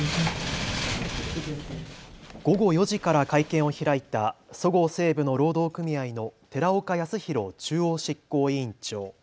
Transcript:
午後４時から会見を開いたそごう・西武の労働組合の寺岡泰博中央執行委員長。